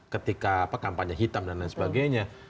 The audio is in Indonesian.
ketika kampanye hitam dan lain sebagainya